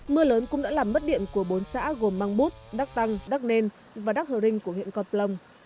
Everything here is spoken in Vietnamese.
mưa lớn cũng đã làm mất điện của bốn xã gồm mang bút đắk tăng đắk nên và đắk hờ rinh của huyện cọt plông